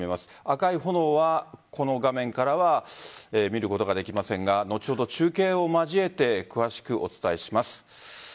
赤い炎はこの画面からは見ることができませんが後ほど中継を交えて詳しくお伝えします。